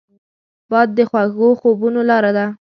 باد د خوږو خوبونو لاره ده